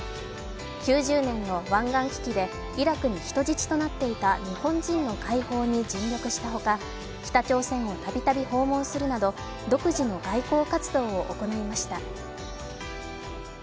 ９０年の湾岸危機でイラクに人質となっていた日本人の解放に尽力したほか北朝鮮を度々訪問するなど独自の外国活動を行いました。